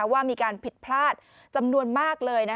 ว่ามีการผิดพลาดจำนวนมากเลย